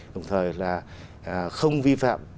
đồng thời là không vi phạm